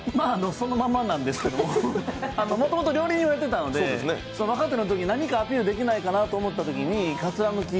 そのままなんですけどもともと料理人をやってたんで若手のとき、何かアピールできないかなと思ったときに、かつらむき。